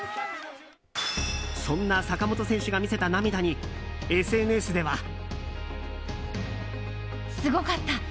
そんな坂本選手が見せた涙にＳＮＳでは。